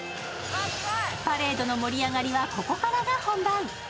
パレードの盛り上がりはここからが本番。